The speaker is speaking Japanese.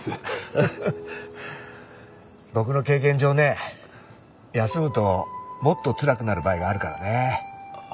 僕の経験上ね休むともっとつらくなる場合があるからね。